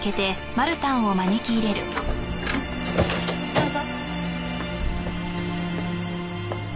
どうぞ。